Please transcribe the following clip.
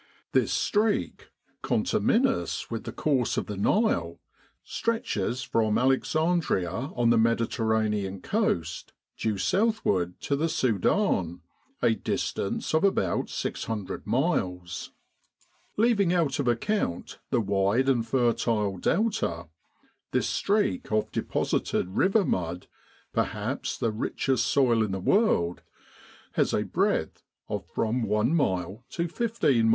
This streak, conterminous with the course of the Nile, stretches from Alexandria on the Mediterranean coast due southward to the Sudan, a distance of about 600 miles. Leaving out of account the wide and fertile Delta, this streak of deposited river mud, perhaps the richest soil in the world, has a breadth of from one mile to fifteen miles.